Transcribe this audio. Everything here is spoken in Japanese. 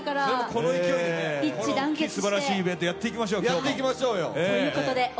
この勢いですばらしいイベント、今日はやっていきましょう。